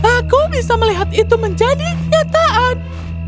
aku bisa melihat itu menjadi kenyataan